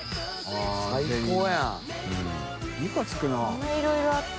こんなにいろいろあって。